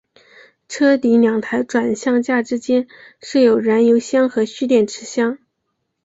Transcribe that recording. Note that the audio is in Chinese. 车底两台转向架之间设有燃油箱和蓄电池箱。